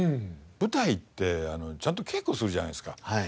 舞台ってちゃんと稽古するじゃないですか。